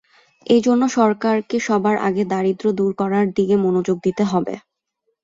এ জন্য সরকারকে সবার আগে দারিদ্র্য দূর করার দিকে মনোযোগ দিতে হবে।